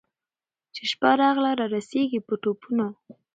چي شپه راغله رارسېږي په ټوپونو